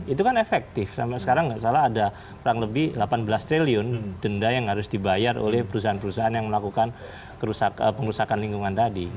itu kan efektif sampai sekarang tidak salah ada kurang lebih delapan belas triliun denda yang harus dibayar oleh perusahaan perusahaan yang melakukan pengurusakan lingkungan tadi